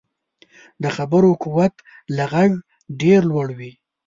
د خبرو قوت له غږ ډېر لوړ وي